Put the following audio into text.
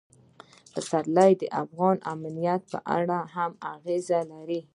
پسرلی د افغانستان د امنیت په اړه هم اغېز لري.